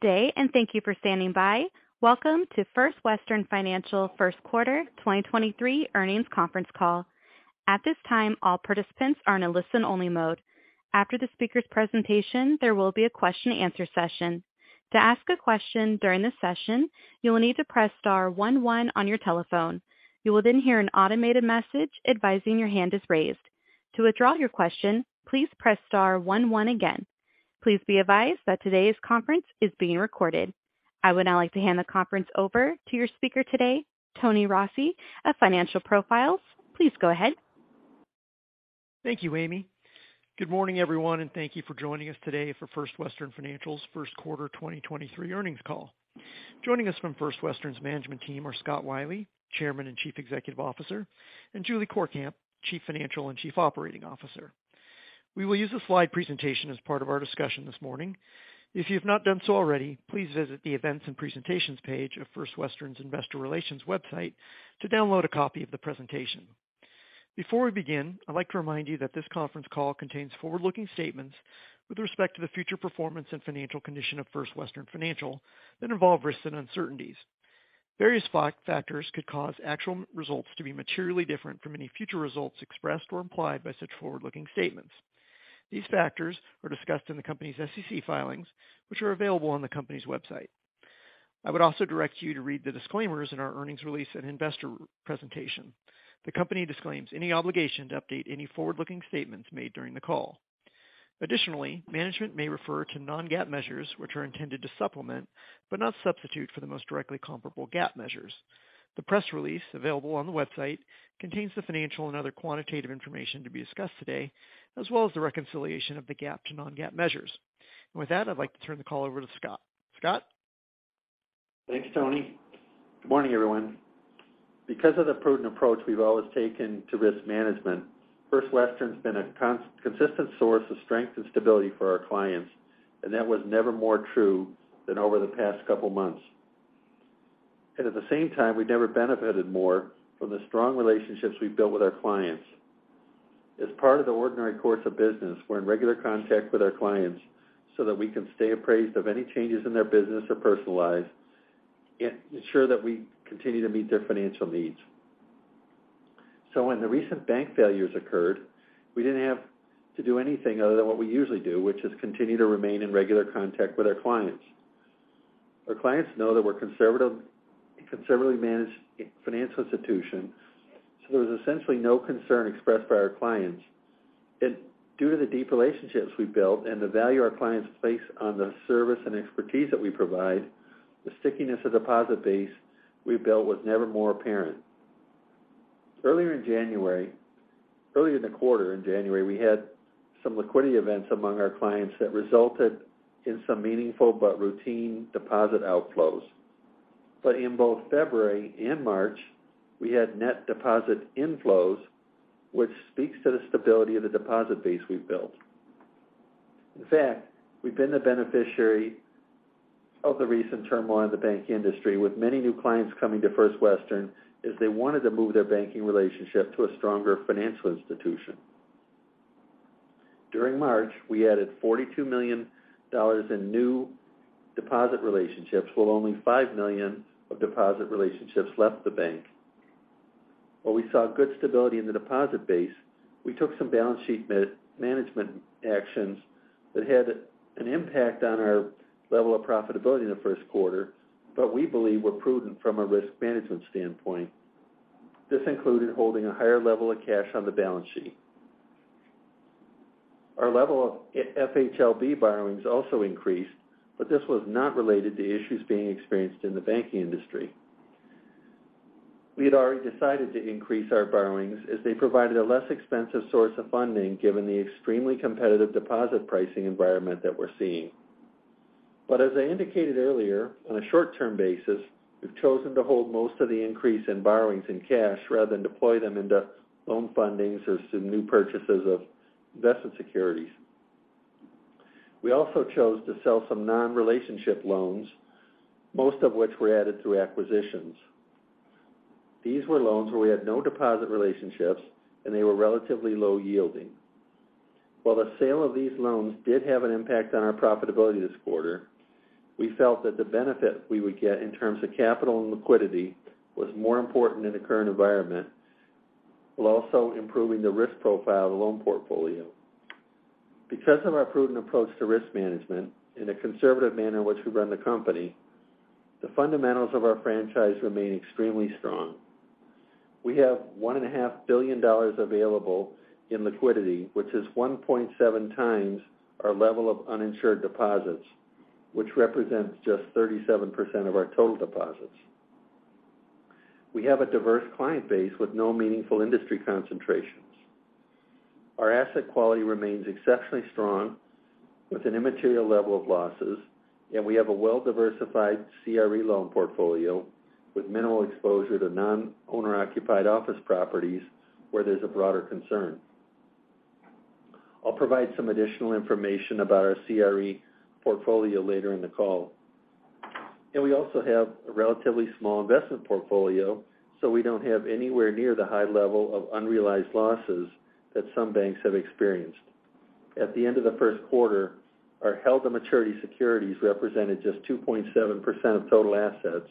Good day. Thank you for standing by. Welcome to First Western Financial Q1 2023 earnings conference call. At this time, all participants are in a listen-only mode. After the speaker's presentation, there will be a question-and-answer session. To ask a question during this session, you will need to press star one one on your telephone. You will hear an automated message advising your hand is raised. To withdraw your question, please press star one one again. Please be advised that today's conference is being recorded. I would now like to hand the conference over to your speaker today, Tony Rossi of Financial Profiles. Please go ahead. Thank you, Amy. Good morning, everyone, and thank you for joining us today for First Western Financial's Q1 2023 earnings call. Joining us from First Western's management team are Scott Wylie, Chairman and Chief Executive Officer, and Julie Courkamp, Chief Financial and Chief Operating Officer. We will use a slide presentation as part of our discussion this morning. If you've not done so already, please visit the Events and Presentations page of First Western's Investor Relations website to download a copy of the presentation. Before we begin, I'd like to remind you that this conference call contains forward-looking statements with respect to the future performance and financial condition of First Western Financial that involve risks and uncertainties. Various factors could cause actual results to be materially different from any future results expressed or implied by such forward-looking statements. These factors are discussed in the company's SEC filings, which are available on the company's website. I would also direct you to read the disclaimers in our earnings release and investor presentation. The company disclaims any obligation to update any forward-looking statements made during the call. Additionally, management may refer to non-GAAP measures, which are intended to supplement but not substitute for the most directly comparable GAAP measures. The press release available on the website contains the financial and other quantitative information to be discussed today, as well as the reconciliation of the GAAP to non-GAAP measures. With that, I'd like to turn the call over to Scott. Scott? Thanks, Tony. Good morning, everyone. Because of the prudent approach we've always taken to risk management, First Western's been a consistent source of strength and stability for our clients, and that was never more true than over the past couple months. At the same time, we never benefited more from the strong relationships we've built with our clients. As part of the ordinary course of business, we're in regular contact with our clients so that we can stay appraised of any changes in their business or personal lives and ensure that we continue to meet their financial needs. When the recent bank failures occurred, we didn't have to do anything other than what we usually do, which is continue to remain in regular contact with our clients. Our clients know that we're a conservatively managed financial institution. There was essentially no concern expressed by our clients. Due to the deep relationships we've built and the value our clients place on the service and expertise that we provide, the stickiness of deposit base we've built was never more apparent. Earlier in the quarter in January, we had some liquidity events among our clients that resulted in some meaningful but routine deposit outflows. In both February and March, we had net deposit inflows, which speaks to the stability of the deposit base we've built. In fact, we've been the beneficiary of the recent turmoil in the bank industry, with many new clients coming to First Western as they wanted to move their banking relationship to a stronger financial institution. During March, we added $42 million in new deposit relationships, while only $5 million of deposit relationships left the bank. While we saw good stability in the deposit base, we took some balance sheet management actions that had an impact on our level of profitability in the Q1, but we believe were prudent from a risk management standpoint. This included holding a higher level of cash on the balance sheet. Our level of FHLB borrowings also increased, but this was not related to issues being experienced in the banking industry. We had already decided to increase our borrowings as they provided a less expensive source of funding given the extremely competitive deposit pricing environment that we're seeing. As I indicated earlier, on a short-term basis, we've chosen to hold most of the increase in borrowings in cash rather than deploy them into loan fundings or some new purchases of investment securities. We also chose to sell some non-relationship loans, most of which were added through acquisitions. These were loans where we had no deposit relationships, and they were relatively low yielding. While the sale of these loans did have an impact on our profitability this quarter, we felt that the benefit we would get in terms of capital and liquidity was more important in the current environment, while also improving the risk profile of the loan portfolio. Because of our prudent approach to risk management and the conservative manner in which we run the company, the fundamentals of our franchise remain extremely strong. We have one and a half billion dollars available in liquidity, which is 1.7 times our level of uninsured deposits, which represents just 37% of our total deposits. We have a diverse client base with no meaningful industry concentrations. Our asset quality remains exceptionally strong with an immaterial level of losses. We have a well-diversified CRE loan portfolio with minimal exposure to non-owner occupied office properties where there's a broader concern. I'll provide some additional information about our CRE portfolio later in the call. We also have a relatively small investment portfolio, so we don't have anywhere near the high level of unrealized losses that some banks have experienced. At the end of the Q1, our held and maturity securities represented just 2.7% of total assets,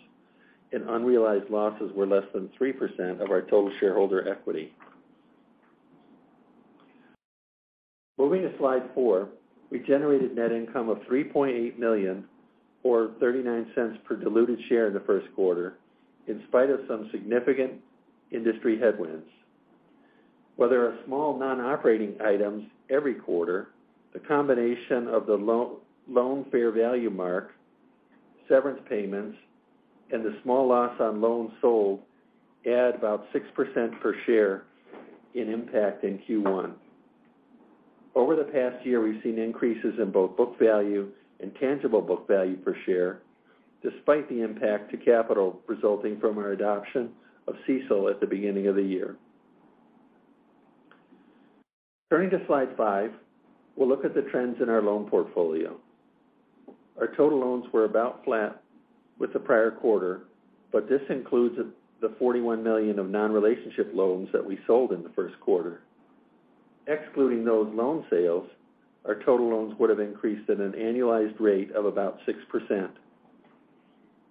and unrealized losses were less than 3% of our total shareholder equity. Moving to slide four, we generated net income of $3.8 million, or $0.39 per diluted share in the Q1, in spite of some significant industry headwinds. There are small non-operating items every quarter, the combination of the loan fair value mark, severance payments, and the small loss on loans sold add about 6% per share in impact in Q1. Over the past year, we've seen increases in both book value and tangible book value per share, despite the impact to capital resulting from our adoption of CECL at the beginning of the year. Turning to slide five, we'll look at the trends in our loan portfolio. Our total loans were about flat with the prior quarter, this includes the $41 million of non-relationship loans that we sold in the Q1. Excluding those loan sales, our total loans would have increased at an annualized rate of about 6%.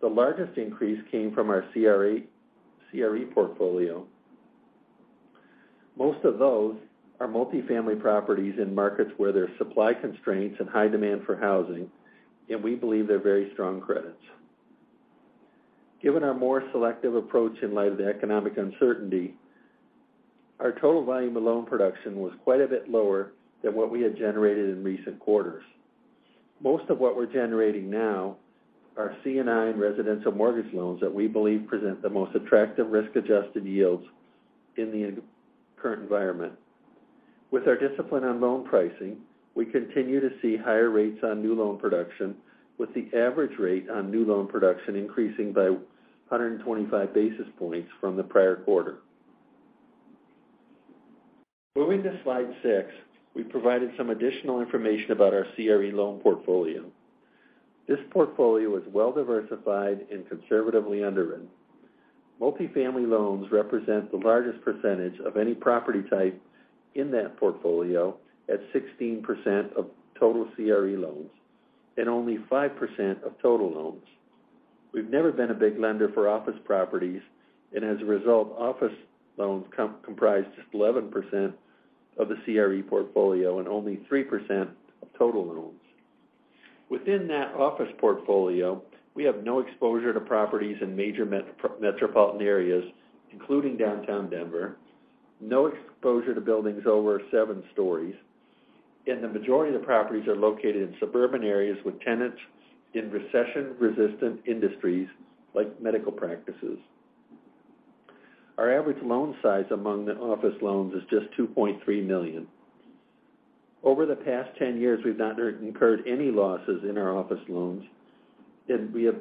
The largest increase came from our CRE portfolio. Most of those are multifamily properties in markets where there's supply constraints and high demand for housing, and we believe they're very strong credits. Given our more selective approach in light of the economic uncertainty, our total volume of loan production was quite a bit lower than what we had generated in recent quarters. Most of what we're generating now are C&I and residential mortgage loans that we believe present the most attractive risk-adjusted yields in the current environment. With our discipline on loan pricing, we continue to see higher rates on new loan production, with the average rate on new loan production increasing by 125 basis points from the prior quarter. Moving to slide 6, we've provided some additional information about our CRE loan portfolio. This portfolio is well-diversified and conservatively underwritten. Multifamily loans represent the largest percentage of any property type in that portfolio at 16% of total CRE loans and only 5% of total loans. We've never been a big lender for office properties. As a result, office loans comprise just 11% of the CRE portfolio and only 3% of total loans. Within that office portfolio, we have no exposure to properties in major metropolitan areas, including downtown Denver, no exposure to buildings over seven stories. The majority of the properties are located in suburban areas with tenants in recession-resistant industries like medical practices. Our average loan size among the office loans is just $2.3 million. Over the past 10 years, we've not incurred any losses in our office loans. We have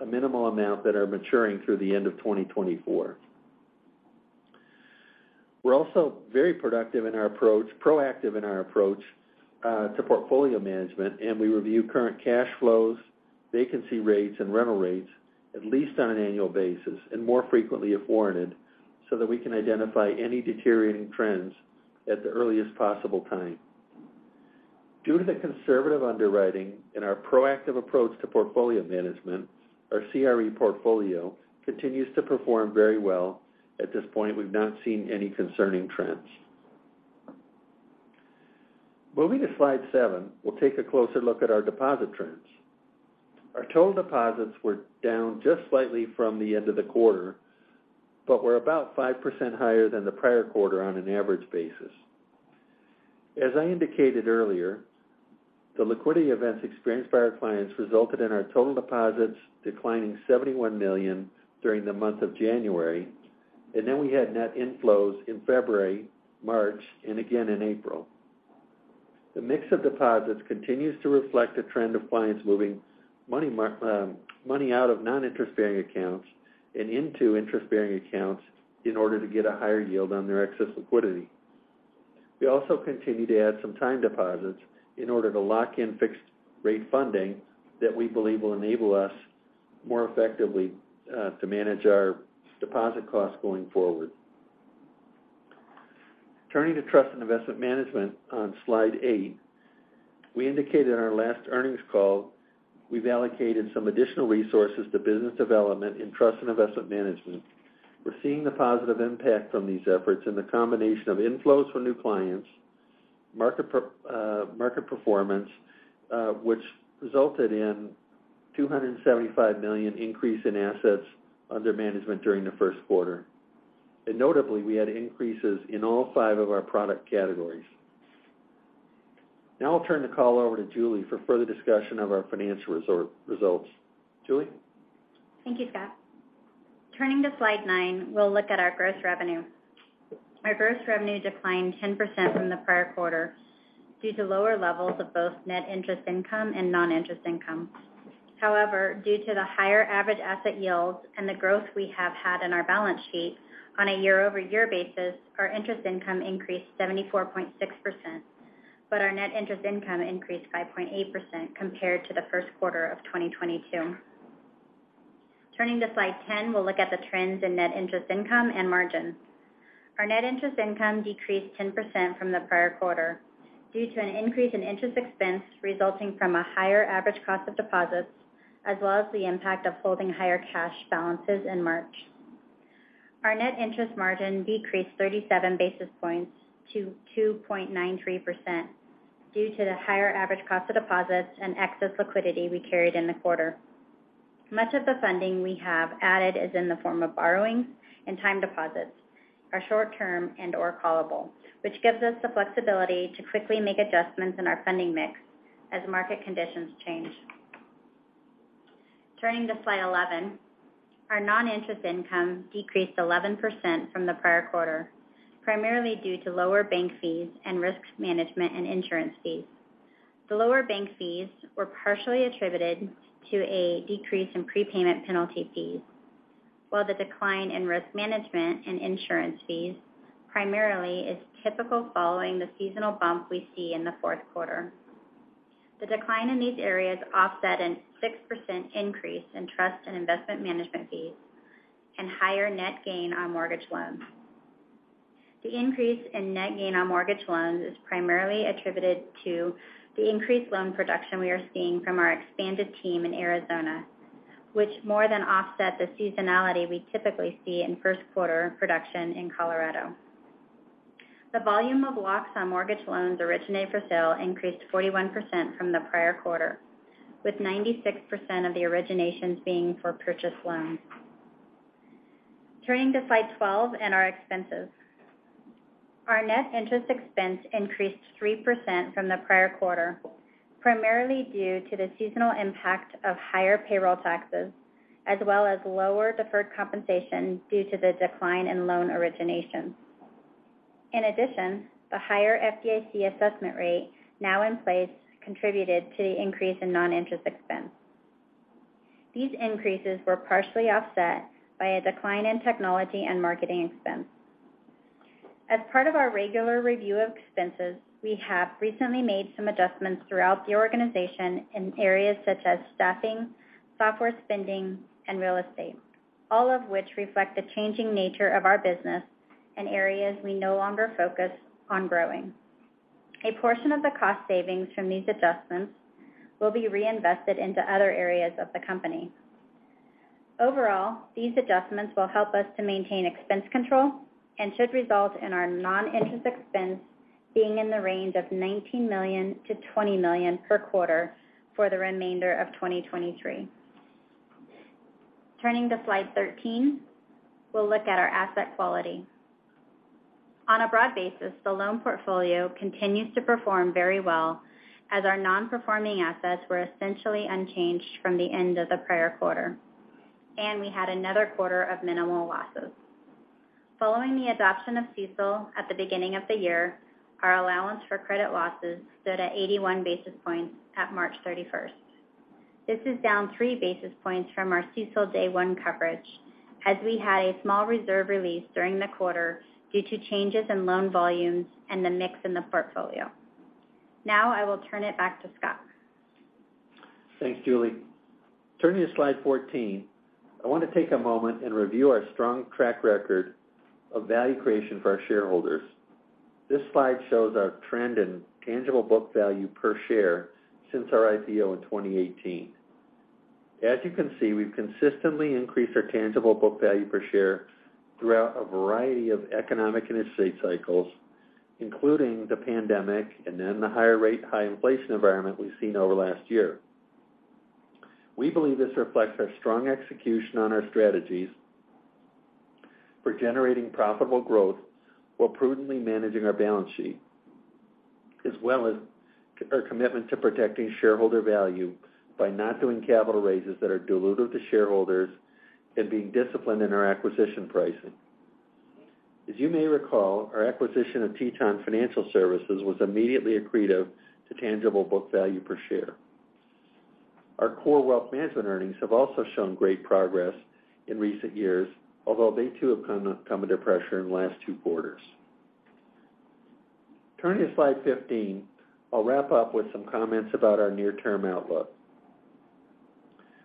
a minimal amount that are maturing through the end of 2024. We're also very proactive in our approach to portfolio management. We review current cash flows, vacancy rates, and rental rates at least on an annual basis, more frequently if warranted, so that we can identify any deteriorating trends at the earliest possible time. Due to the conservative underwriting and our proactive approach to portfolio management, our CRE portfolio continues to perform very well. At this point, we've not seen any concerning trends. Moving to slide seven, we'll take a closer look at our deposit trends. Our total deposits were down just slightly from the end of the quarter, but were about 5% higher than the prior quarter on an average basis. As I indicated earlier, the liquidity events experienced by our clients resulted in our total deposits declining $71 million during the month of January, and then we had net inflows in February, March, and again in April. The mix of deposits continues to reflect a trend of clients moving money out of non-interest-bearing accounts and into interest-bearing accounts in order to get a higher yield on their excess liquidity. We also continue to add some time deposits in order to lock in fixed rate funding that we believe will enable us more effectively to manage our deposit costs going forward. Turning to trust investment management on slide eight, we indicated in our last earnings call we've allocated some additional resources to business development in trust and investment management. We're seeing the positive impact from these efforts in the combination of inflows from new clients, market performance, which resulted in $275 million increase in assets under management during the Q1. Notably, we had increases in all five of our product categories. I'll turn the call over to Julie for further discussion of our financial results. Julie? Thank you, Scott. Turning to slide nine, we'll look at our gross revenue. Our gross revenue declined 10% from the prior quarter due to lower levels of both net interest income and non-interest income. However, due to the higher average asset yields and the growth we have had in our balance sheet on a year-over-year basis, our interest income increased 74.6%. Our net interest income increased by 0.8% compared to the Q1 of 2022. Turning to slide 10, we'll look at the trends in net interest income and margin. Our net interest income decreased 10% from the prior quarter due to an increase in interest expense resulting from a higher average cost of deposits, as well as the impact of holding higher cash balances in March. Our net interest margin decreased 37 basis points to 2.93% due to the higher average cost of deposits and excess liquidity we carried in the quarter. Much of the funding we have added is in the form of borrowings and time deposits are short-term and or callable, which gives us the flexibility to quickly make adjustments in our funding mix as market conditions change. Turning to slide 11, our non-interest income decreased 11% from the prior quarter, primarily due to lower bank fees and risk management and insurance fees. The lower bank fees were partially attributed to a decrease in prepayment penalty fees, while the decline in risk management and insurance fees primarily is typical following the seasonal bump we see in the Q4. The decline in these areas offset a 6% increase in trust and investment management fees and higher net gain on mortgage loans. The increase in net gain on mortgage loans is primarily attributed to the increased loan production we are seeing from our expanded team in Arizona, which more than offset the seasonality we typically see in Q1 production in Colorado. The volume of locks on mortgage loans originated for sale increased 41% from the prior quarter, with 96% of the originations being for purchase loans. Turning to slide 12 and our expenses. Our net interest expense increased 3% from the prior quarter, primarily due to the seasonal impact of higher payroll taxes as well as lower deferred compensation due to the decline in loan originations. The higher FDIC assessment rate now in place contributed to the increase in non-interest expense. These increases were partially offset by a decline in technology and marketing expense. As part of our regular review of expenses, we have recently made some adjustments throughout the organization in areas such as staffing, software spending, and real estate, all of which reflect the changing nature of our business and areas we no longer focus on growing. A portion of the cost savings from these adjustments will be reinvested into other areas of the company. Overall, these adjustments will help us to maintain expense control and should result in our non-interest expense being in the range of $19-$20 million per quarter for the remainder of 2023. Turning to slide 13, we'll look at our asset quality. On a broad basis, the loan portfolio continues to perform very well as our non-performing assets were essentially unchanged from the end of the prior quarter. We had another quarter of minimal losses. Following the adoption of CECL at the beginning of the year, our allowance for credit losses stood at 81 basis points at March 31st. This is down three basis points from our CECL day one coverage, as we had a small reserve release during the quarter due to changes in loan volumes and the mix in the portfolio. I will turn it back to Scott. Thanks, Julie. Turning to slide 14, I want to take a moment and review our strong track record of value creation for our shareholders. This slide shows our trend in tangible book value per share since our IPO in 2018. As you can see, we've consistently increased our tangible book value per share throughout a variety of economic and estate cycles, including the pandemic and then the higher rate high inflation environment we've seen over last year. We believe this reflects our strong execution on our strategies for generating profitable growth while prudently managing our balance sheet, as well as our commitment to protecting shareholder value by not doing capital raises that are dilutive to shareholders and being disciplined in our acquisition pricing. As you may recall, our acquisition of Teton Financial Services was immediately accretive to tangible book value per share. Our core wealth management earnings have also shown great progress in recent years, although they too have come under pressure in the last two quarters. Turning to slide 15, I'll wrap up with some comments about our near-term outlook.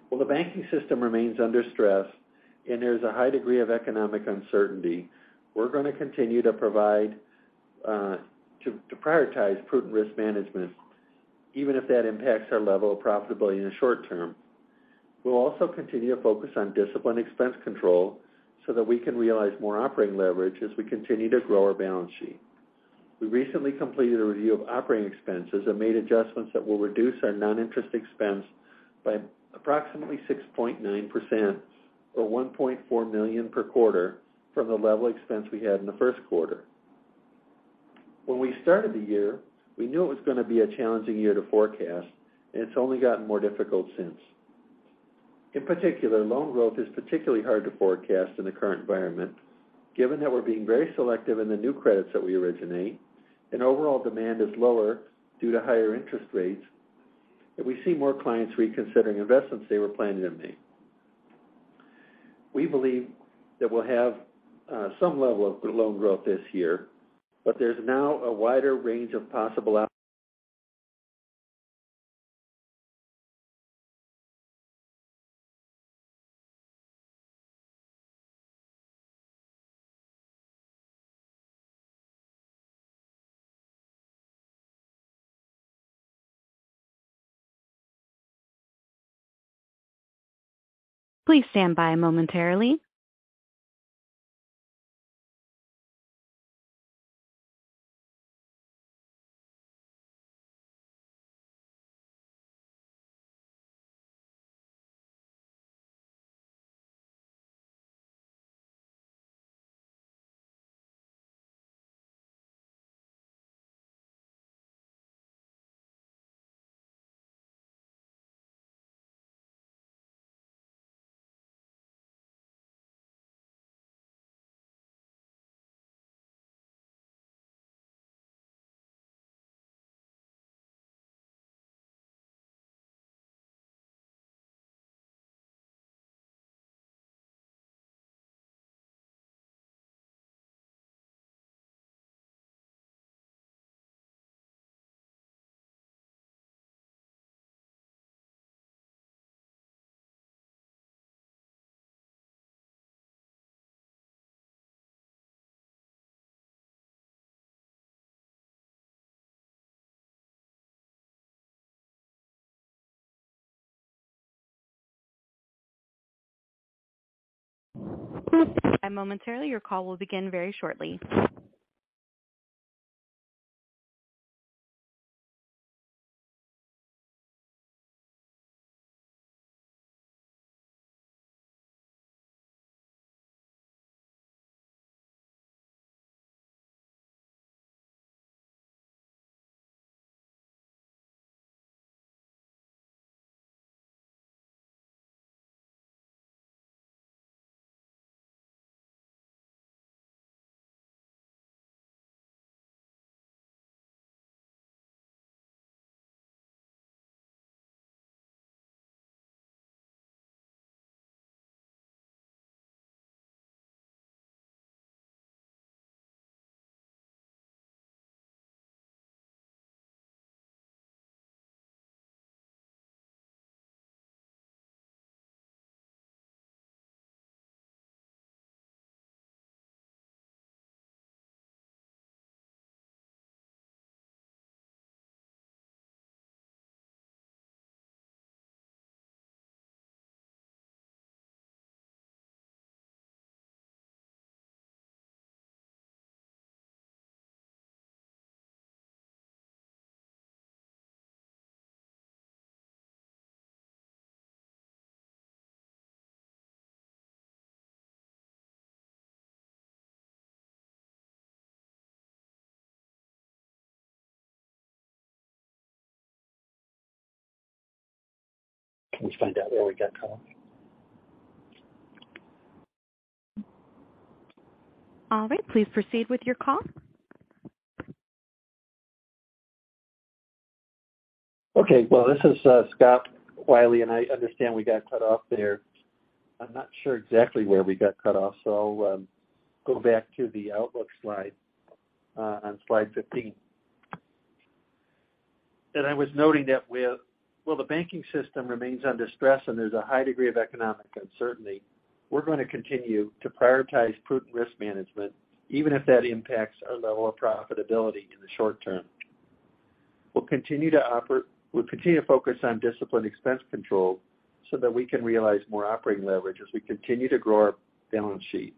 While the banking system remains under stress and there's a high degree of economic uncertainty, we're gonna continue to provide to prioritize prudent risk management, even if that impacts our level of profitability in the short term. We'll also continue to focus on disciplined expense control so that we can realize more operating leverage as we continue to grow our balance sheet. We recently completed a review of operating expenses and made adjustments that will reduce our non-interest expense by approximately 6.9% or $1.4 million per quarter from the level expense we had in the Q1. When we started the year, we knew it was going to be a challenging year to forecast, and it's only gotten more difficult since. In particular, loan growth is particularly hard to forecast in the current environment, given that we're being very selective in the new credits that we originate and overall demand is lower due to higher interest rates, and we see more clients reconsidering investments they were planning to make. Can we find out where we got cut off? All right. Please proceed with your call. Okay. Well, this is Scott Wylie. I understand we got cut off there. I'm not sure exactly where we got cut off, so I'll go back to the outlook slide on slide 15. I was noting that with... While the banking system remains under stress and there's a high degree of economic uncertainty, we're gonna continue to prioritize prudent risk management, even if that impacts our level of profitability in the short term. We'll continue to focus on disciplined expense control so that we can realize more operating leverage as we continue to grow our balance sheet.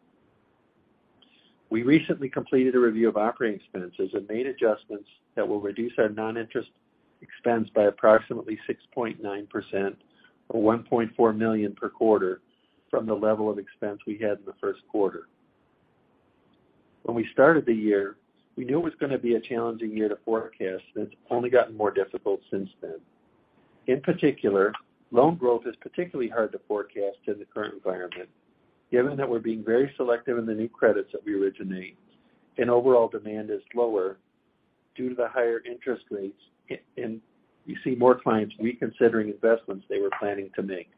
We recently completed a review of operating expenses and made adjustments that will reduce our non-interest expense by approximately 6.9% or $1.4 million per quarter from the level of expense we had in the Q1. When we started the year, we knew it was gonna be a challenging year to forecast. It's only gotten more difficult since then. In particular, loan growth is particularly hard to forecast in the current environment, given that we're being very selective in the new credits that we originate and overall demand is lower due to the higher interest rates and we see more clients reconsidering investments they were planning to make.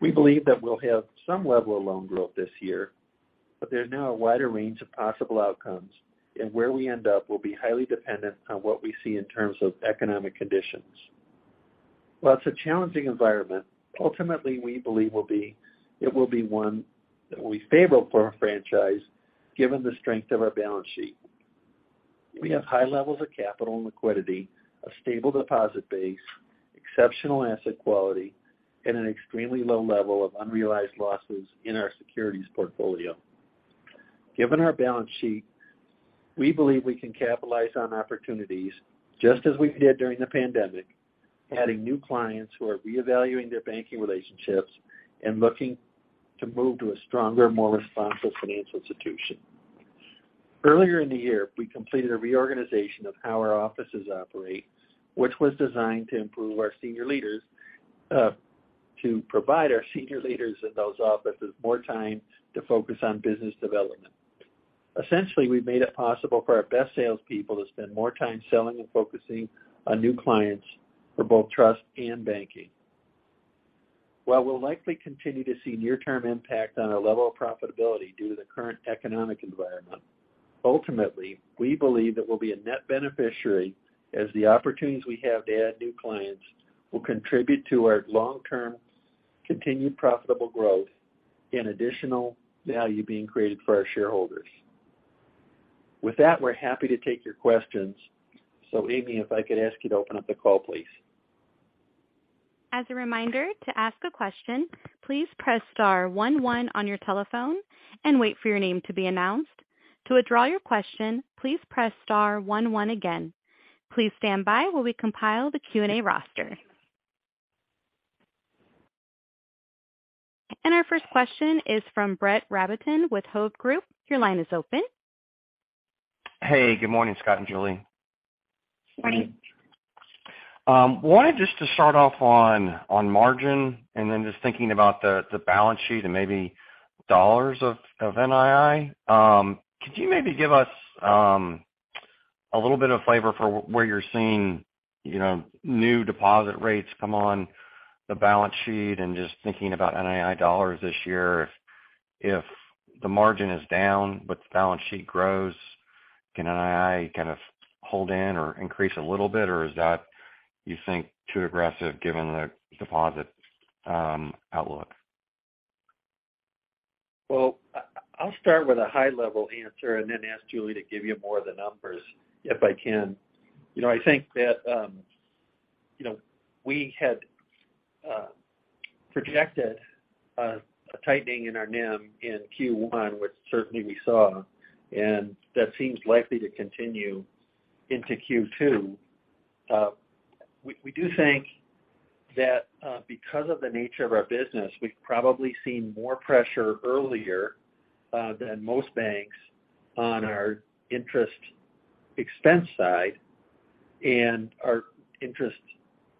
We believe that we'll have some level of loan growth this year, but there's now a wider range of possible outcomes. Where we end up will be highly dependent on what we see in terms of economic conditions. While it's a challenging environment, ultimately, we believe it will be one that will be favorable for our franchise given the strength of our balance sheet. We have high levels of capital and liquidity, a stable deposit base, exceptional asset quality, and an extremely low level of unrealized losses in our securities portfolio. Given our balance sheet, we believe we can capitalize on opportunities just as we did during the pandemic, adding new clients who are reevaluating their banking relationships and looking to move to a stronger, more responsive financial institution. Earlier in the year, we completed a reorganization of how our offices operate, which was designed to provide our senior leaders in those offices more time to focus on business development. Essentially, we've made it possible for our best salespeople to spend more time selling and focusing on new clients for both trust and banking. While we'll likely continue to see near-term impact on our level of profitability due to the current economic environment, ultimately, we believe that we'll be a net beneficiary as the opportunities we have to add new clients will contribute to our long-term continued profitable growth and additional value being created for our shareholders. With that, we're happy to take your questions. Amy, if I could ask you to open up the call, please. As a reminder, to ask a question, please press star one one on your telephone and wait for your name to be announced. To withdraw your question, please press star one one again. Please stand by while we compile the Q&A roster. Our first question is from Brett Rabatin with Hovde Group. Your line is open. Hey, good morning, Scott and Julie. Morning. Wanted just to start off on margin and then just thinking about the balance sheet and maybe dollars of NII. Could you maybe give us a little bit of flavor for where you're seeing, you know, new deposit rates come on the balance sheet and just thinking about NII dollars this year, if the margin is down but the balance sheet grows, can NII kind of hold in or increase a little bit? Is that you think too aggressive given the deposit outlook? Well, I'll start with a high-level answer and then ask Julie to give you more of the numbers if I can. You know, I think that, you know, we had projected a tightening in our NIM in Q1, which certainly we saw, and that seems likely to continue into Q2. We do think that, because of the nature of our business, we've probably seen more pressure earlier than most banks on our interest expense side and our interest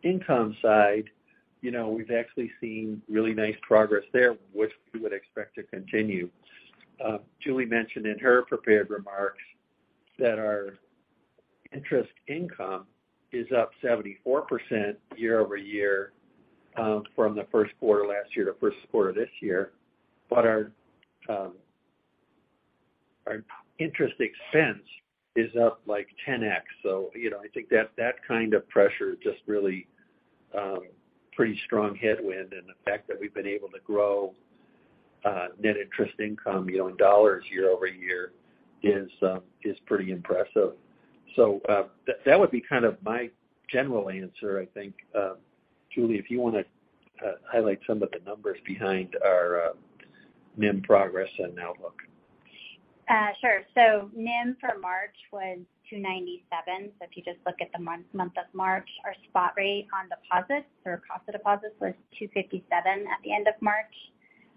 income side. You know, we've actually seen really nice progress there, which we would expect to continue. Julie mentioned in her prepared remarks that our interest income is up 74% year-over-year from the Q1 last year to Q1 this year. Our interest expense is up like 10x. You know, I think that kind of pressure just really pretty strong headwind. The fact that we've been able to grow net interest income, you know, in dollars year-over-year is pretty impressive. That, that would be kind of my general answer, I think. Julie, if you wanna highlight some of the numbers behind our NIM progress and outlook. NIM for March was 2.97%. If you just look at the month of March, our spot rate on deposits or cost of deposits was 2.57% at the end of March.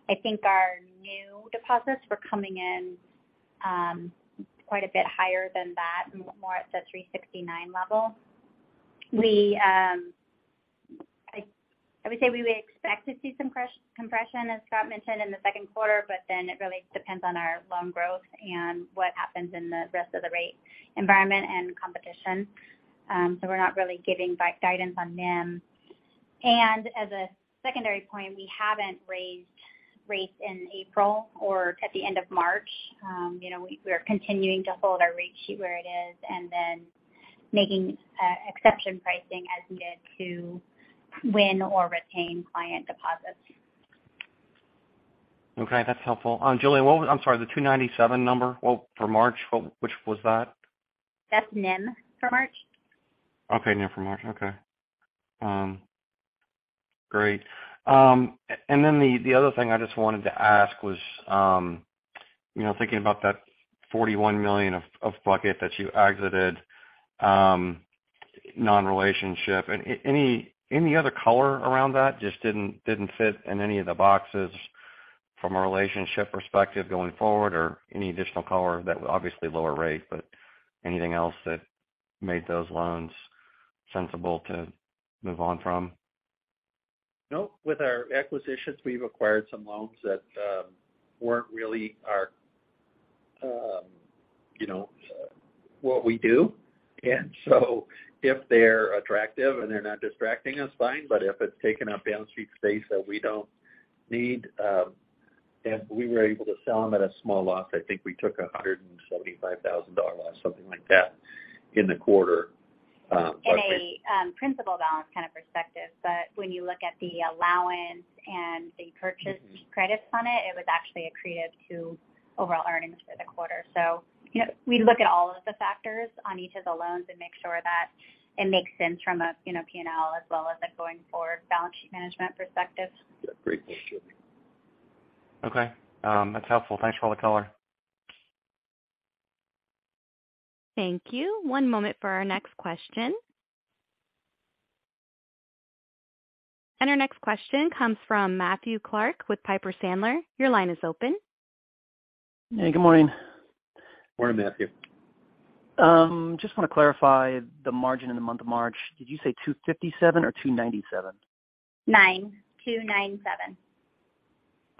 I think our new deposits were coming in quite a bit higher than that, more at the 3.69% level. We would say we would expect to see some compression, as Scott mentioned in the Q2, then it really depends on our loan growth and what happens in the rest of the rate environment and competition. We're not really giving back guidance on NIM. As a secondary point, we haven't raised rates in April or at the end of March. you know, we're continuing to hold our rate sheet where it is and then making exception pricing as needed to win or retain client deposits. Okay, that's helpful. Julie, I'm sorry, the 297 number, what, for March, which was that? That's NIM for March. Okay, NIM for March. Okay. great. and then the other thing I just wanted to ask was, you know, thinking about that $41 million of bucket that you exited, non-relationship. Any other color around that just didn't fit in any of the boxes from a relationship perspective going forward or any additional color that would obviously lower rate, but anything else that made those loans sensible to move on from? No. With our acquisitions, we've acquired some loans that weren't really our, you know, what we do. If they're attractive and they're not distracting us, fine. If it's taking up balance sheet space that we don't need, and we were able to sell them at a small loss, I think we took a $175,000 loss, something like that, in the quarter. In a principal balance kind of perspective, when you look at the allowance and the purchase credits on it was actually accretive to overall earnings for the quarter. You know, we look at all of the factors on each of the loans and make sure that it makes sense from a, you know, P&L as well as a going-forward balance sheet management perspective. Yeah. Great. Thanks, Julie. Okay. That's helpful. Thanks for all the color. Thank you. One moment for our next question. Our next question comes from Matthew Clark with Piper Sandler. Your line is open. Hey, good morning. Morning, Matthew. Just wanna clarify the margin in the month of March. Did you say 257 or 297? 9. 297.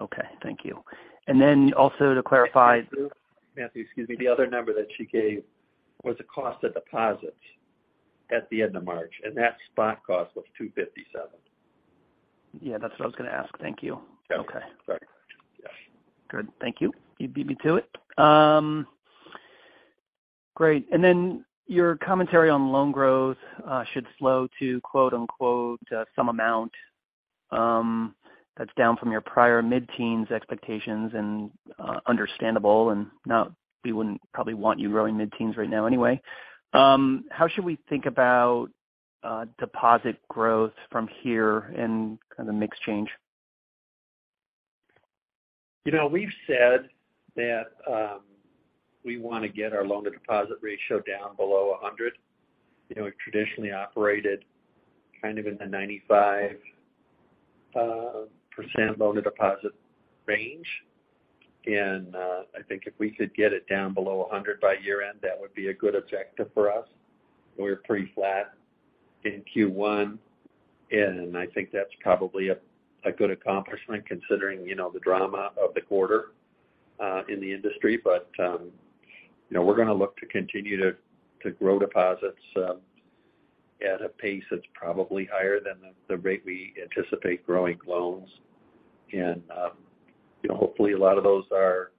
Okay. Thank you. then also to clarify- Matthew, excuse me. The other number that she gave was the cost of deposits at the end of March. That spot cost was 2.57%. Yeah, that's what I was gonna ask. Thank you. Okay. Okay. Sorry. Yeah. Good. Thank you. You beat me to it. Great. Your commentary on loan growth, should slow to, quote-unquote, some amount. That's down from your prior mid-teens expectations and, understandable and We wouldn't probably want you growing mid-teens right now anyway. How should we think about, deposit growth from here and kind of mix change? You know, we've said that, we wanna get our loan to deposit ratio down below 100. You know, we've traditionally operated kind of in the 95% loan to deposit range. I think if we could get it down below 100 by year-end, that would be a good objective for us. We were pretty flat in Q1, and I think that's probably a good accomplishment considering, you know, the drama of the quarter in the industry. You know, we're gonna look to continue to grow deposits at a pace that's probably higher than the rate we anticipate growing loans. You know, hopefully, a lot of those are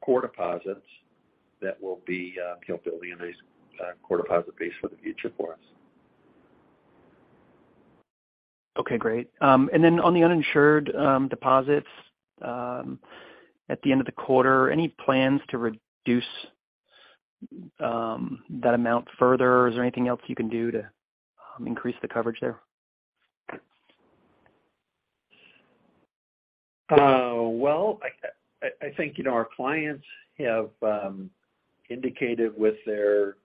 core deposits that will be, you know, building a nice core deposit base for the future for us. Okay, great. On the uninsured deposits, at the end of the quarter, any plans to reduce that amount further? Is there anything else you can do to increase the coverage there? Well, I think, you know, our clients have indicated with their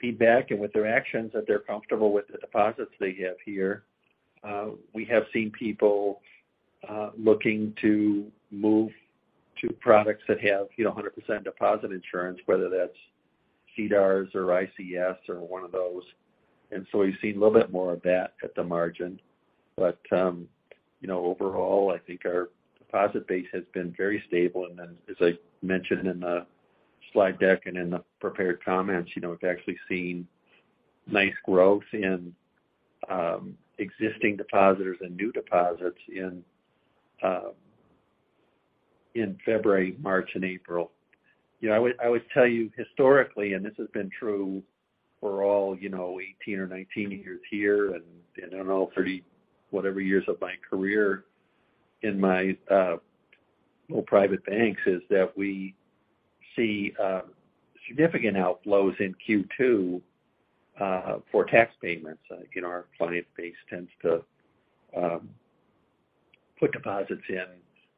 feedback and with their actions that they're comfortable with the deposits they have here. We have seen people looking to move to products that have, you know, 100% deposit insurance, whether that's CDARS or ICS or one of those. We've seen a little bit more of that at the margin. You know, overall, I think our deposit base has been very stable. As I mentioned in the slide deck and in the prepared comments, you know, we've actually seen nice growth in existing depositors and new deposits in February, March, and April. You know, I would tell you historically, and this has been true for all, you know, 18 or 19 years here, in all 30-whatever years of my career in my well, private banks, is that we see significant outflows in Q2 for tax payments. You know, our client base tends to put deposits in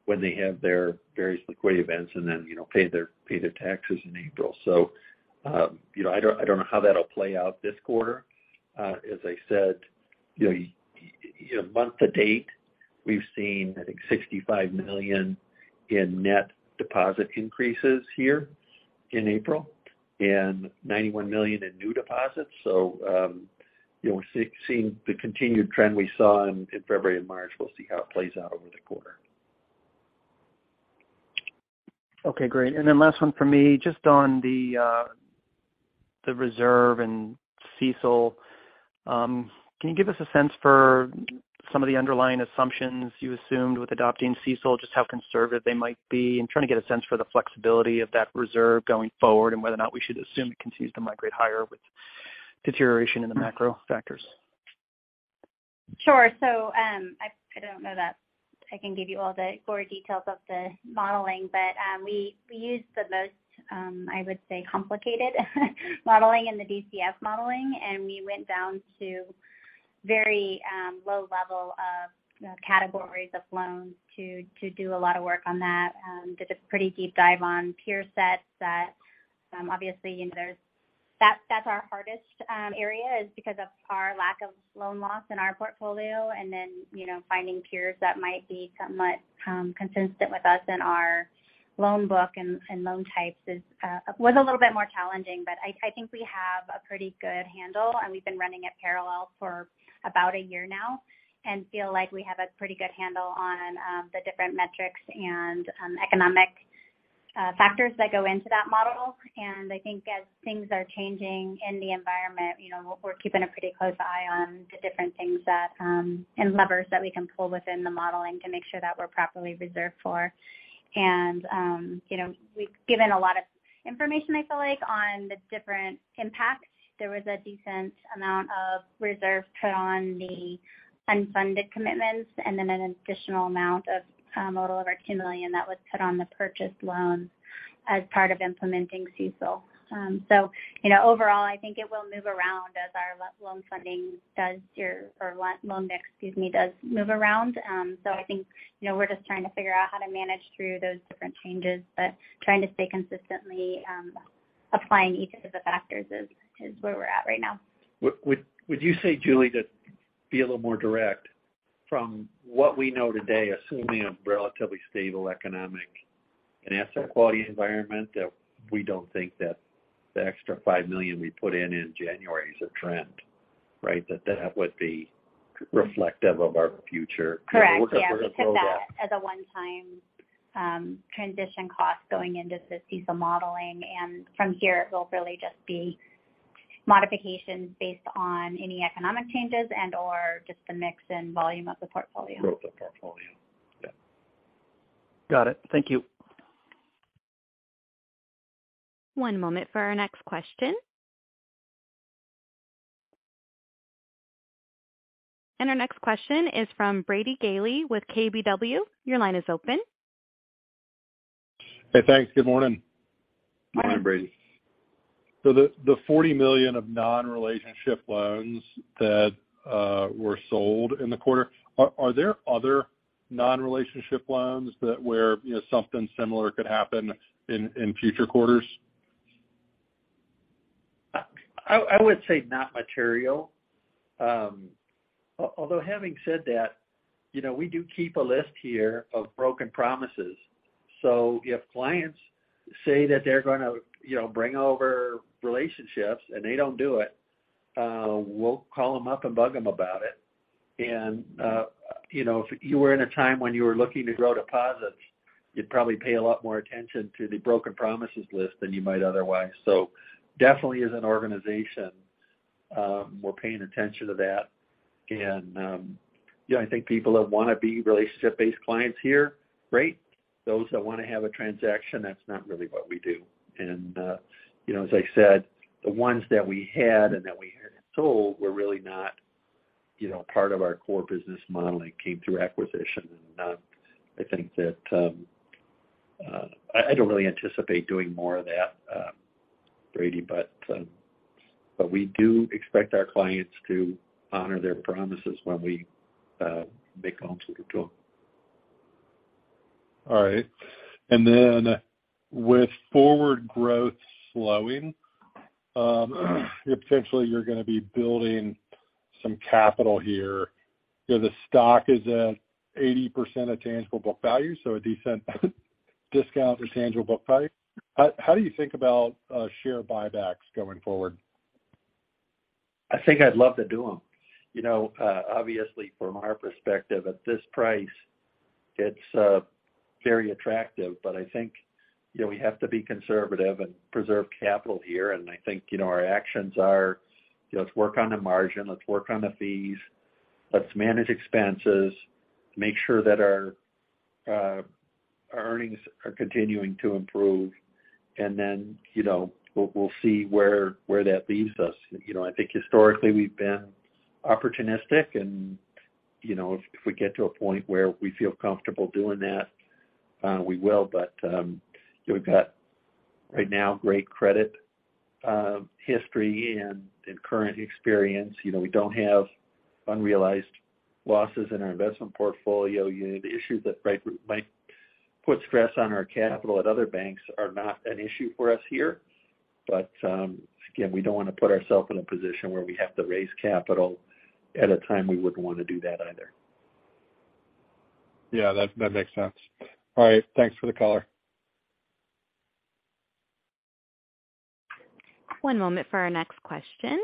when they have their various liquidity events and then, you know, pay their taxes in April. You know, I don't know how that'll play out this quarter. As I said, you know, month to date, we've seen, I think, $65 million in net deposit increases here in April and $91 million in new deposits. You know, we're seeing the continued trend we saw in February and March. We'll see how it plays out over the quarter. Okay, great. Last one for me, just on the reserve and CECL. Can you give us a sense for some of the underlying assumptions you assumed with adopting CECL, just how conservative they might be? I'm trying to get a sense for the flexibility of that reserve going forward and whether or not we should assume it continues to migrate higher with deterioration in the macro factors. Sure. I don't know that I can give you all the core details of the modeling, but we used the most, I would say, complicated modeling in the DCF modeling, and we went down to very low level of, you know, categories of loans to do a lot of work on that. Did a pretty deep dive on peer sets that, obviously, you know, That's our hardest area is because of our lack of loan loss in our portfolio. Then, you know, finding peers that might be somewhat consistent with us in our loan book and loan types was a little bit more challenging. I think we have a pretty good handle, and we've been running it parallel for about a year now and feel like we have a pretty good handle on the different metrics and economic factors that go into that model. I think as things are changing in the environment, you know, we're keeping a pretty close eye on the different things that and levers that we can pull within the modeling to make sure that we're properly reserved for. You know, we've given a lot of information, I feel like, on the different impacts. There was a decent amount of reserve put on the unfunded commitments and then an additional amount of a little over $10 million that was put on the purchased loans as part of implementing CECL. you know, overall, I think it will move around as our loan funding does or loan mix, excuse me, does move around. I think, you know, we're just trying to figure out how to manage through those different changes, but trying to stay consistently, applying each of the factors is where we're at right now. would you say, Julie, to be a little more direct. From what we know today, assuming a relatively stable economic and asset quality environment, that we don't think that the extra $5 million we put in in January is a trend, right? That that would be reflective of our future. Correct. Yeah. We took that as a one-time transition cost going into CECL modeling. From here, it will really just be modifications based on any economic changes and/or just the mix and volume of the portfolio. Growth of portfolio. Yeah. Got it. Thank you. One moment for our next question. Our next question is from Brady Gailey with KBW. Your line is open. Hey, thanks. Good morning. Morning, Brady. The $40 million of non-relationship loans that were sold in the quarter, are there other non-relationship loans that where, you know, something similar could happen in future quarters? I would say not material. Although having said that, you know, we do keep a list here of broken promises. If clients say that they're gonna, you know, bring over relationships and they don't do it, we'll call them up and bug them about it. You know, if you were in a time when you were looking to grow deposits, you'd probably pay a lot more attention to the broken promises list than you might otherwise. Definitely as an organization, we're paying attention to that. You know, I think people that wanna be relationship-based clients here, great. Those that wanna have a transaction, that's not really what we do. You know, as I said, the ones that we had and that we had sold were really not, you know, part of our core business model. It came through acquisition. I think that, I don't really anticipate doing more of that, Brady. We do expect our clients to honor their promises when we make loans to them. All right. With forward growth slowing, potentially you're gonna be building some capital here. You know, the stock is at 80% of tangible book value, so a decent discount to tangible book value. How do you think about share buybacks going forward? I think I'd love to do them. You know, obviously from our perspective at this price, it's very attractive. I think, you know, we have to be conservative and preserve capital here. I think, you know, our actions are, let's work on the margin, let's work on the fees, let's manage expenses, make sure that our earnings are continuing to improve. You know, we'll see where that leaves us. You know, I think historically we've been opportunistic and, you know, if we get to a point where we feel comfortable doing that, we will. We've got right now great credit, history and current experience. You know, we don't have unrealized losses in our investment portfolio unit. Issues that might put stress on our capital at other banks are not an issue for us here. Again, we don't want to put ourselves in a position where we have to raise capital at a time we wouldn't want to do that either. Yeah, that makes sense. All right. Thanks for the color. One moment for our next question.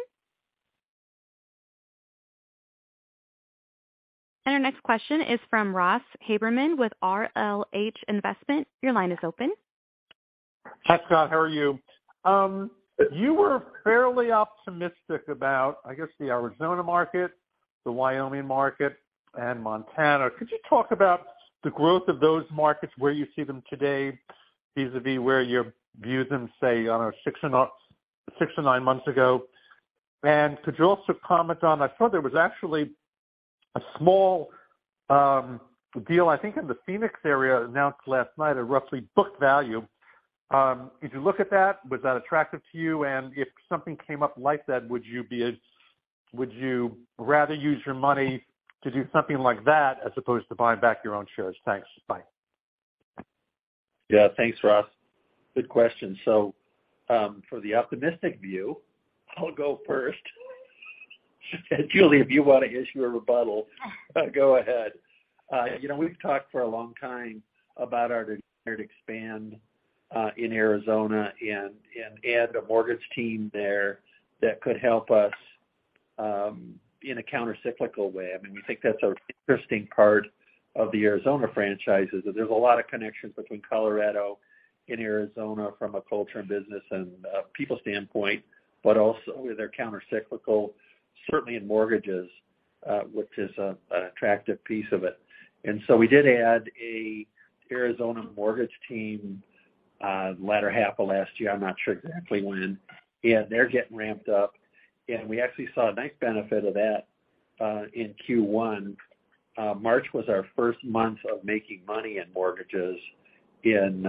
Our next question is from Ross Haberman with RLH Investments. Your line is open. Hi, Scott. How are you? You were fairly optimistic about, I guess, the Arizona market, the Wyoming market and Montana. Could you talk about the growth of those markets, where you see them today vis-a-vis where you view them, say, I don't know, 6-9 months ago? Could you also comment on I saw there was actually a small deal, I think, in the Phoenix area announced last night at roughly book value. Did you look at that? Was that attractive to you? If something came up like that, would you rather use your money to do something like that as opposed to buying back your own shares? Thanks. Bye. Yeah. Thanks, Ross. Good question. For the optimistic view, I'll go first. Julie, if you want to issue a rebuttal, go ahead. You know, we've talked for a long time about our desire to expand in Arizona and add a mortgage team there that could help us in a countercyclical way. I mean, we think that's an interesting part of the Arizona franchises, that there's a lot of connections between Colorado and Arizona from a culture and business and people standpoint, but also they're countercyclical, certainly in mortgages, which is an attractive piece of it. We did add a Arizona mortgage team latter half of last year. I'm not sure exactly when. They're getting ramped up. We actually saw a nice benefit of that in Q1. March was our first month of making money in mortgages in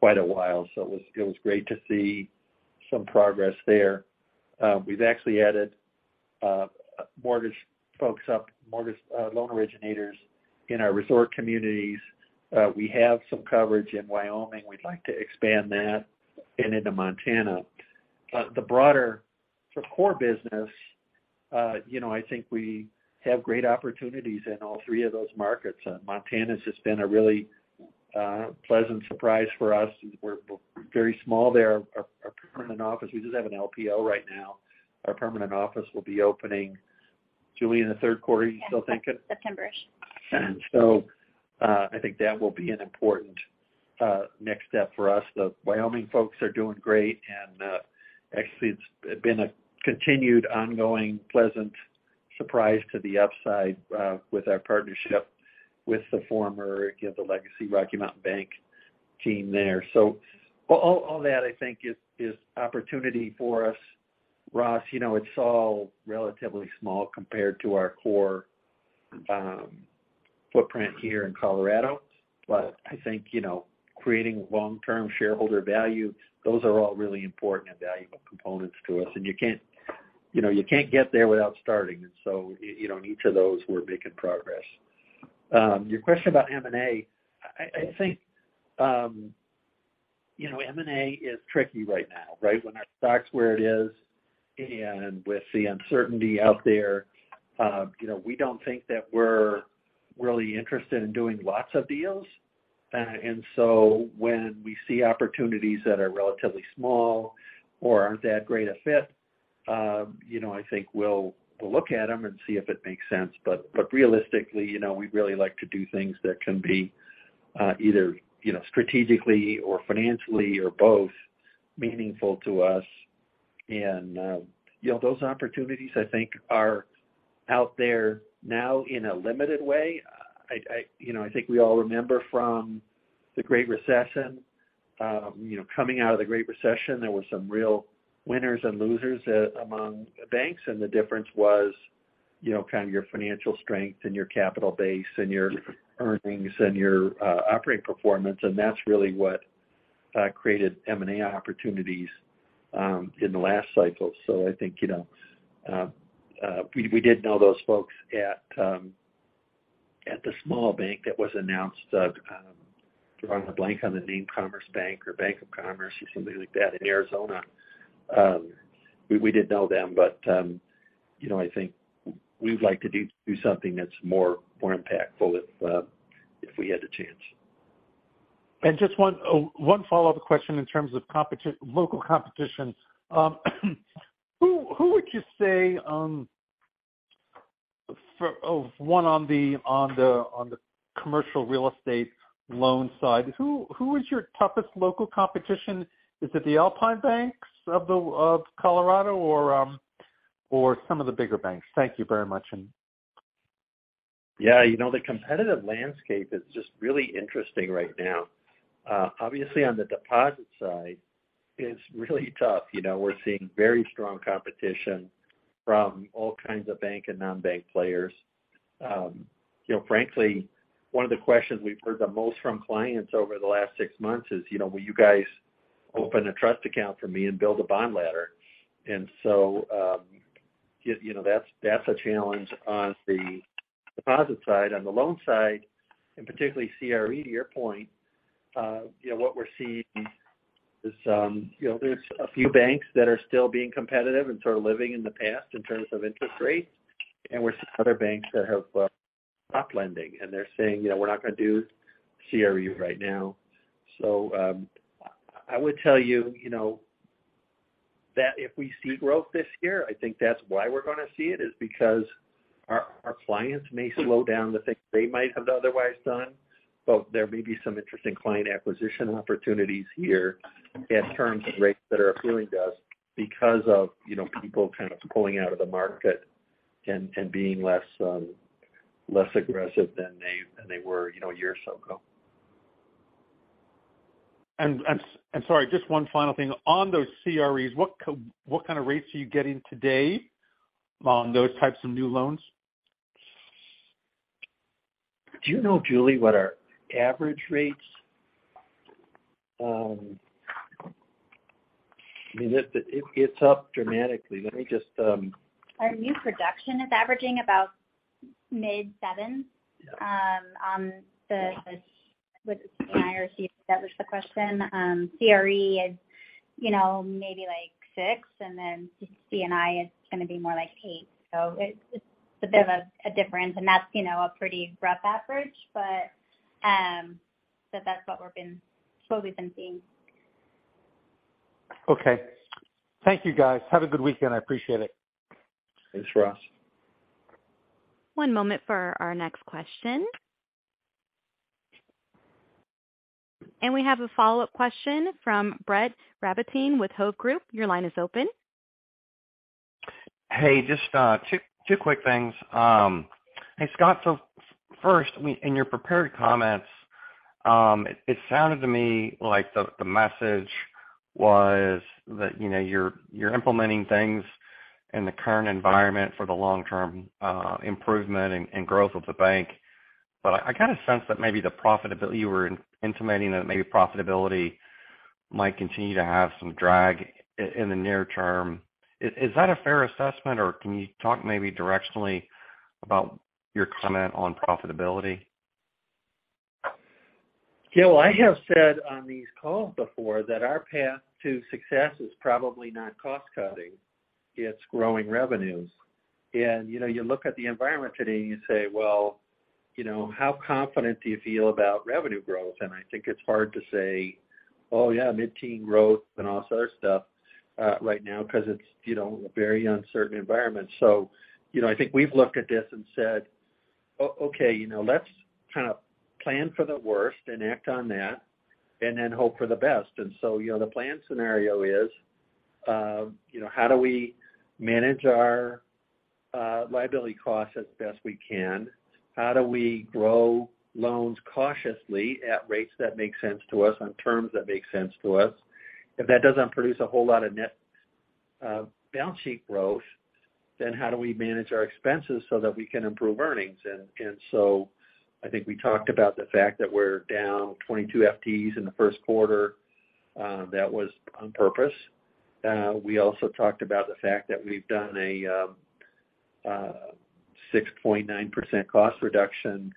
quite a while. It was great to see some progress there. We've actually added mortgage loan originators in our resort communities. We have some coverage in Wyoming. We'd like to expand that and into Montana. The core business, you know, I think we have great opportunities in all three of those markets. Montana's has been a really pleasant surprise for us. We're very small there. Our permanent office, we just have an LPO right now. Our permanent office will be opening, Julie, in the third quarter, you still thinking? Yeah. September-ish. I think that will be an important next step for us. The Wyoming folks are doing great, and actually it's been a continued ongoing pleasant surprise to the upside with our partnership with the former, again, the legacy Rocky Mountain Bank team there. All that I think is opportunity for us, Ross. You know, it's all relatively small compared to our core footprint here in Colorado. I think, you know, creating long-term shareholder value, those are all really important and valuable components to us. You can't, you know, you can't get there without starting. You know, in each of those, we're making progress. Your question about M&A, I think, you know, M&A is tricky right now, right? When our stock's where it is and with the uncertainty out there, you know, we don't think that we're really interested in doing lots of deals. When we see opportunities that are relatively small or aren't that great a fit, you know, I think we'll look at them and see if it makes sense. Realistically, you know, we really like to do things that can be either, you know, strategically or financially or both meaningful to us. You know, those opportunities, I think are out there now in a limited way. You know, I think we all remember from the great recession, you know, coming out of the great recession, there were some real winners and losers among the banks. The difference was, you know, kind of your financial strength and your capital base and your earnings and your operating performance, and that's really what created M&A opportunities in the last cycle. I think, you know, we did know those folks at the small bank that was announced, drawing a blank on the name, Commerce Bank or Bank of Commerce or something like that in Arizona. We, we did know them, but, you know, I think we'd like to do something that's more, more impactful if we had the chance. Just one follow-up question in terms of local competition. Who would you say, one on the commercial real estate loan side, who is your toughest local competition? Is it the Alpine Banks of Colorado or some of the bigger banks? Thank you very much. Yeah. You know, the competitive landscape is just really interesting right now. Obviously on the deposit side is really tough. You know, we're seeing very strong competition from all kinds of bank and non-bank players. You know, frankly, one of the questions we've heard the most from clients over the last 6 months is, you know, will you guys open a trust account for me and build a bond ladder? You know, that's a challenge on the deposit side. On the loan side, and particularly CRE, to your point, you know, what we're seeing is, you know, there's a few banks that are still being competitive and sort of living in the past in terms of interest rates. We're seeing other banks that have stopped lending and they're saying, you know, we're not gonna do CRE right now. I would tell you know, that if we see growth this year, I think that's why we're gonna see it, is because our clients may slow down the things they might have otherwise done. There may be some interesting client acquisition opportunities here in terms of rates that are accruing to us because of, you know, people kind of pulling out of the market and being less aggressive than they were, you know, a year or so ago. Sorry, just one final thing. On those CREs, what kind of rates are you getting today on those types of new loans? Do you know, Julie, what our average rates? I mean, it's up dramatically. Our new production is averaging about mid sevens. Yeah. On the C&I or CU, if that was the question. CRE is, you know, maybe like 6%, and then C&I is gonna be more like 8%. It's a bit of a difference, and that's, you know, a pretty rough average, but that's what we've been seeing. Okay. Thank you, guys. Have a good weekend. I appreciate it. Thanks, Ross. One moment for our next question. We have a follow-up question from Brett Rabatin with Hovde Group. Your line is open. Just two quick things. Scott, first, in your prepared comments, it sounded to me like the message was that, you know, you're implementing things in the current environment for the long-term improvement and growth of the bank. I kind of sense that maybe the profitability you were intimating that maybe profitability might continue to have some drag in the near term. Is that a fair assessment, or can you talk maybe directionally about your comment on profitability? Gil, I have said on these calls before that our path to success is probably not cost cutting. It's growing revenues. you know, you look at the environment today and you say, well, you know, how confident do you feel about revenue growth? I think it's hard to say, oh, yeah, mid-teen growth and all this other stuff, right now because it's, you know, a very uncertain environment. you know, I think we've looked at this and said, okay, you know, let's kind of plan for the worst and act on that and then hope for the best. you know, the plan scenario is, you know, how do we manage our liability costs as best we can? How do we grow loans cautiously at rates that make sense to us on terms that make sense to us? If that doesn't produce a whole lot of net balance sheet growth, how do we manage our expenses so that we can improve earnings? I think we talked about the fact that we're down 22 FTEs in the Q1. That was on purpose. We also talked about the fact that we've done a 6.9% cost reduction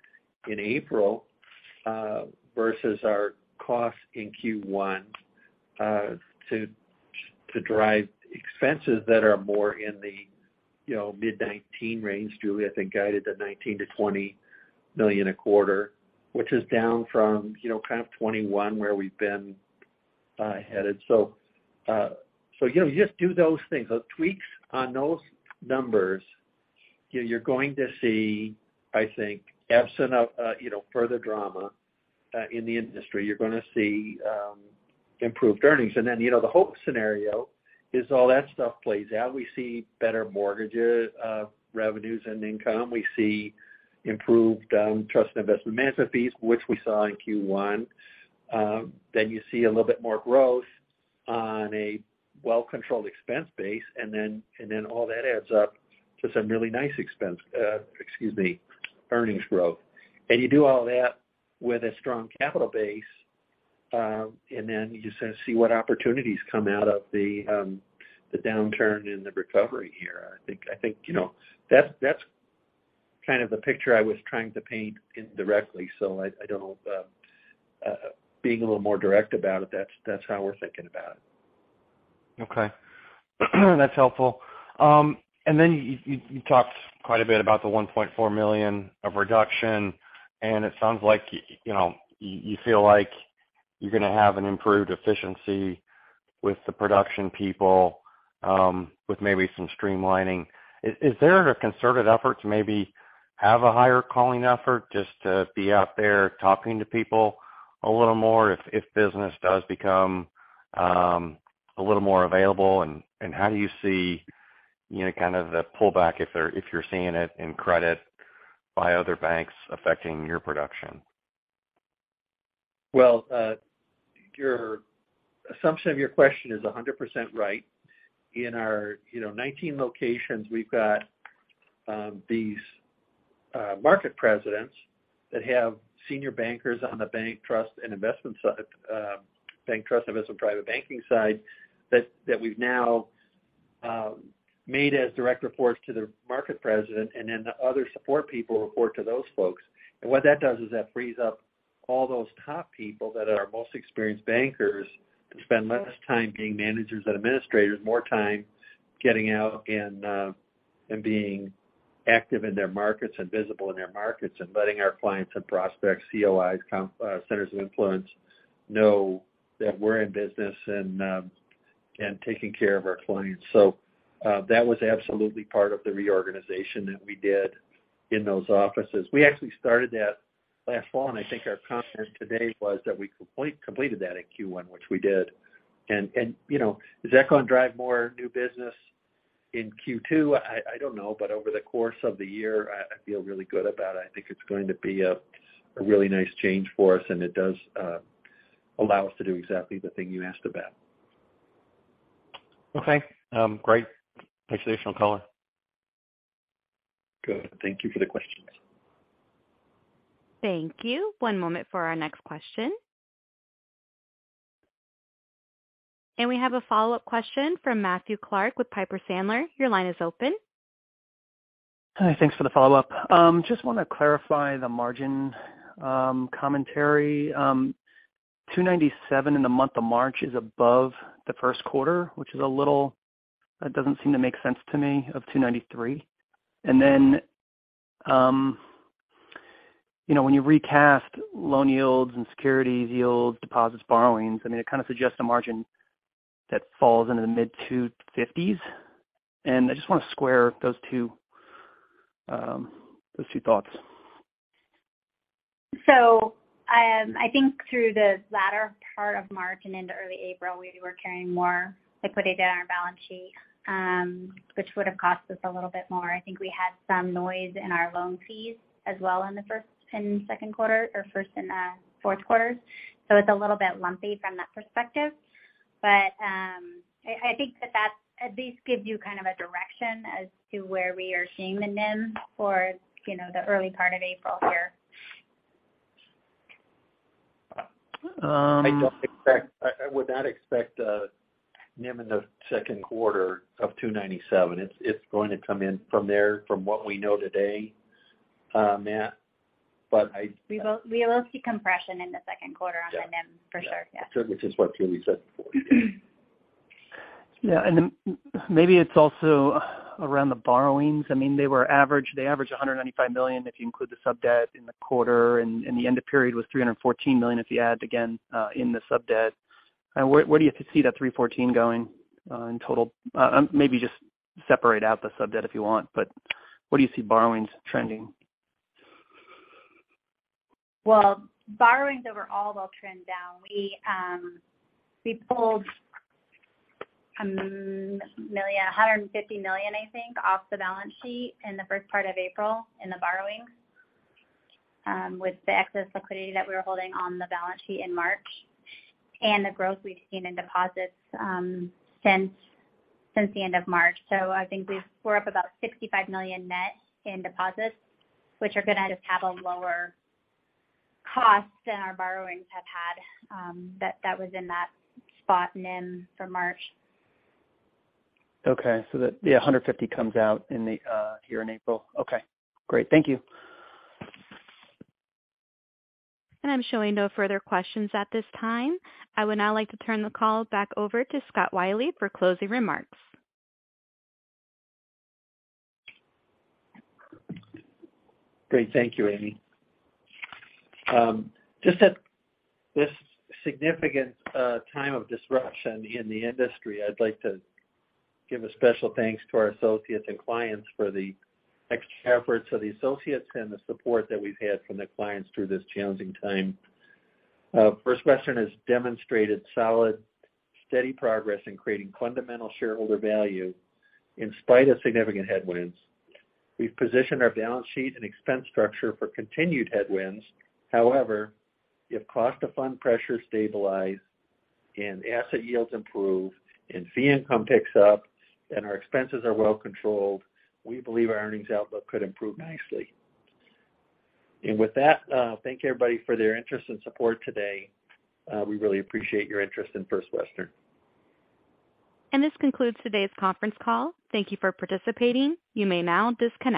in April versus our costs in Q1 to drive expenses that are more in the, you know, mid-19 range. Julie, I think, guided the $19-$20 million a quarter, which is down from, you know, kind of 21 where we've been headed. You know, you just do those things. Those tweaks on those numbers, you're going to see, I think, absent of, you know, further drama in the industry, you're gonna see improved earnings. Then, you know, the hope scenario is all that stuff plays out. We see better mortgages revenues and income. We see improved trust and investment management fees, which we saw in Q1. Then you see a little bit more growth on a well-controlled expense base, and then all that adds up to some really nice expense, excuse me, earnings growth. You do all that with a strong capital base, and then you just see what opportunities come out of the downturn in the recovery here. I think, you know, that's kind of the picture I was trying to paint indirectly. I don't know if being a little more direct about it, that's how we're thinking about it. That's helpful. Then you talked quite a bit about the $1.4 million of reduction, and it sounds like, you know, you feel like you're gonna have an improved efficiency with the production people, with maybe some streamlining. Is there a concerted effort to maybe have a higher calling effort just to be out there talking to people a little more if business does become a little more available? How do you see, you know, kind of the pullback if you're seeing it in credit by other banks affecting your production? Your question is 100% right. In our, you know, 19 locations, we've got these market presidents that have senior bankers on the bank trust and investment side, bank trust, investment, private banking side that we've now made as direct reports to the market president, and then the other support people report to those folks. What that does is that frees up all those top people that are our most experienced bankers to spend less time being managers and administrators, more time getting out and being active in their markets and visible in their markets and letting our clients and prospects, COIs, centers of influence know that we're in business and taking care of our clients. That was absolutely part of the reorganization that we did in those offices. We actually started that last fall, I think our comment today was that we completed that in Q1, which we did. You know, is that going to drive more new business in Q2? I don't know. Over the course of the year, I feel really good about it. I think it's going to be a really nice change for us, and it does allow us to do exactly the thing you asked about. Okay. great. Thanks. Additional caller. Good. Thank you for the questions. Thank you. One moment for our next question. We have a follow-up question from Matthew Clark with Piper Sandler. Your line is open. Hi. Thanks for the follow-up. Just wanna clarify the margin, commentary. 297 in the month of March is above the Q1, which is a little that doesn't seem to make sense to me of 293. You know, when you recast loan yields and securities yields, deposits, borrowings, I mean, it kind of suggests a margin that falls into the mid 250s. I just wanna square those two, those two thoughts. I think through the latter part of March and into early April, we were carrying more liquidity on our balance sheet, which would have cost us a little bit more. I think we had some noise in our loan fees as well in the first and Q2 or first and Q4s. It's a little bit lumpy from that perspective. I think that at least gives you kind of a direction as to where we are seeing the NIM for, you know, the early part of April here. I would not expect NIM in the Q2 of 2.97%. It's going to come in from there from what we know today, Matt. We will see compression in the Q2 on the NIM. Yeah. for sure. Yeah. Which is what Julie said before. Yeah. Then maybe it's also around the borrowings. I mean, they were average. They averaged $195 million, if you include the sub-debt in the quarter. The end of period was $314 million, if you add again, in the sub-debt. Where do you see that $314 going, in total? Maybe just separate out the sub-debt if you want. Where do you see borrowings trending? Borrowings overall will trend down. We pulled $1 million, $150 million, I think, off the balance sheet in the first part of April in the borrowings, with the excess liquidity that we were holding on the balance sheet in March and the growth we've seen in deposits since the end of March. I think we're up about $65 million net in deposits which are gonna just have a lower cost than our borrowings have had, that was in that spot NIM for March. Okay. The, yeah, 150 comes out in the here in April. Okay, great. Thank you. I'm showing no further questions at this time. I would now like to turn the call back over to Scott Wylie for closing remarks. Great. Thank you, Amy. Just at this significant time of disruption in the industry, I'd like to give a special thanks to our associates and clients for the extra efforts of the associates and the support that we've had from the clients through this challenging time. First Western has demonstrated solid, steady progress in creating fundamental shareholder value in spite of significant headwinds. We've positioned our balance sheet and expense structure for continued headwinds. However, if cost of fund pressures stabilize and asset yields improve and fee income picks up and our expenses are well controlled, we believe our earnings outlook could improve nicely. With that, thank you, everybody, for their interest and support today. We really appreciate your interest in First Western. This concludes today's conference call. Thank you for participating. You may now disconnect.